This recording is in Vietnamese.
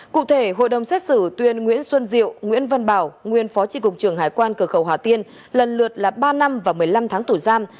cụ thể hội đồng xét xử tuyên nguyễn xuân diệu nguyễn văn bảo nguyên phó tri cục trưởng hải quan cửa khẩu hà tiên lần lượt là ba năm và một mươi năm tháng tù giam